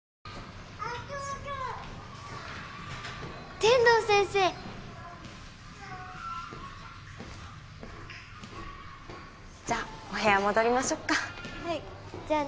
天堂先生じゃあお部屋戻りましょうかじゃあね